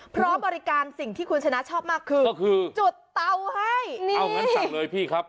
เพราะบริการสิ่งที่คุณชนะชอบมากคือก็คือจุดเตาให้นี่เอางั้นสั่งเลยพี่ครับ